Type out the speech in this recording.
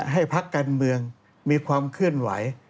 ให้ภักรรณเมืองมีความเคลื่อนไหว